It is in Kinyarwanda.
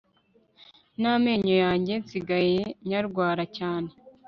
Namenyo yanjye nsigaye nyarwara cyane